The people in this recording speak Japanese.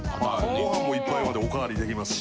ご飯も１杯までおかわりできますし。